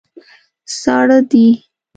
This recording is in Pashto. ساړه دي.